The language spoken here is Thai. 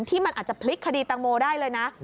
ที่มันอาจจะพลิกคดีตังโมได้เลยนะ